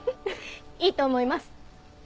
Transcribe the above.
いいと思います。